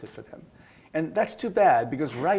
ada kesempatan yang besar